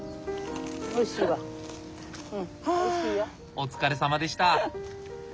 お疲れさまでした。